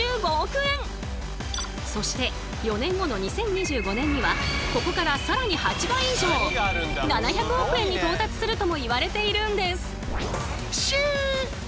そして４年後の２０２５年にはここから更に８倍以上７００億円に到達するともいわれているんです。